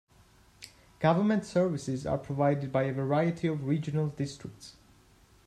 Government services are provided by a variety of regional districts.